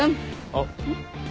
あっ。